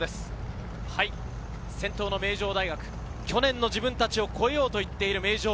先頭の名城大学、去年の自分たちを超えようと言っている名城。